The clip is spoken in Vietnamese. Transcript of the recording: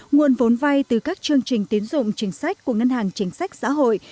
nguồn vốn vay từ các chương trình tiến dụng chính sách của ngân hàng chính sách xã hội